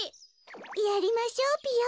やりましょうぴよ。